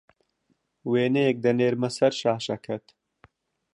وێنەیەک دەنێرمه سەر شاشەکەت